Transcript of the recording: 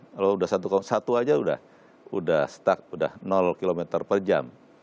kalau sudah satu satu saja sudah stuck sudah km per jam